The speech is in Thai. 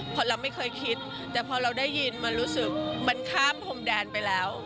เพราะเราไม่เคยคิดแต่พอเราได้ยินมันรู้สึกมันข้ามพรมแดนไปแล้ว